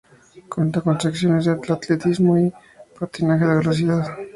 Cuenta con secciones en atletismo y patinaje de velocidad.